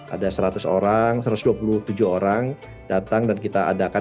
ada seratus orang satu ratus dua puluh tujuh orang datang dan kita adakan